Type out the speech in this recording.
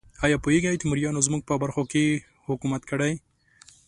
ایا پوهیږئ تیموریانو زموږ په برخو کې حکومت کړی؟